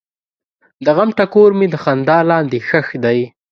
د غم ټکور مې د خندا لاندې ښخ دی.